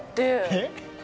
えっ？